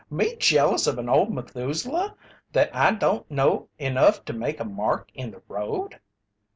Me jealous of an old Methuselah that don't know enough to make a mark in the road?"